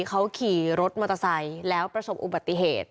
เขาขี่รถมอเตอร์ไซค์แล้วประสบอุบัติเหตุ